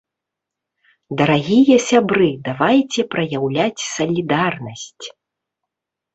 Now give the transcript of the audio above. Дарагія сябры, давайце праяўляць салідарнасць!